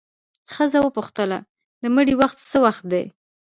ښځه وپوښتله د مړي وخت څه وخت دی؟